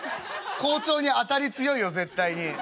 校長に当たり強いよ絶対に」。